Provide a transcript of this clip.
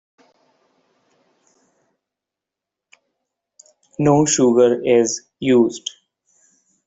No sugar is used.